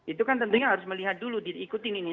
itu kan tentunya harus melihat dulu diikutin ini